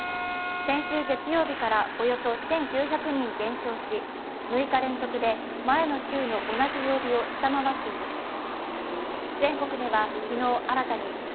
先週月曜日からおよそ１９００人減少し、６日連続で前の週の同じ曜日を下回っています。